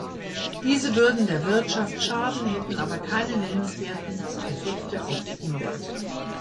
Diese würden der Wirtschaft schaden, hätten aber keine nennenswerten Effekte auf die Umwelt.